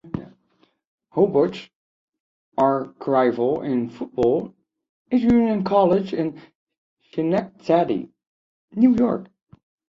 Hobart's archrival in football is Union College in Schenectady, New York.